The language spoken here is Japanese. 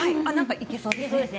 いけそうですね。